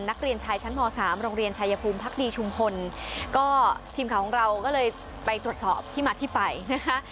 นักเรียนชายชั้นมสามโรงเรียนชายภูมิพักดีชุมพลก็ทีมข่าวของเราก็เลยไปตรวจสอบที่มาที่ไปนะคะ